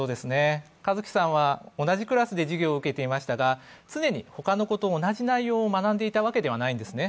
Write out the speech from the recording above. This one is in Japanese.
和毅さんは同じクラスで授業を受けていましたが、常に他の子と同じ内容を学んでいたわけではないんですね。